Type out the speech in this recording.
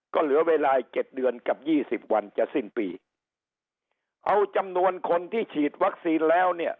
ก็เหลือเวลาเจ็ดเดือนกับยี่สิบวันจะสิ้นปีเอาจำนวนคนที่ฉีดวัคซีนแล้วเนี่ย